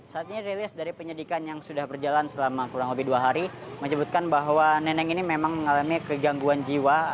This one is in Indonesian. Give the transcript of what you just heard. saat ini rilis dari penyidikan yang sudah berjalan selama kurang lebih dua hari menyebutkan bahwa neneng ini memang mengalami kegangguan jiwa